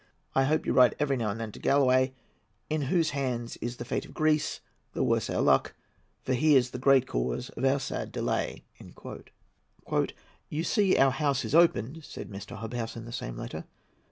I hope you write every now and then to Galloway, in whose hands is the fate of Greece—the worse our luck, for he is the great cause of our sad delay." "You see our House is opened," said Mr. Hobhouse in the same letter.